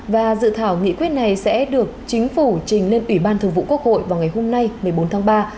và dự thảo nghị quyết này sẽ được chính phủ trình lên ủy ban thường vụ quốc hội vào ngày hôm nay một mươi bốn tháng ba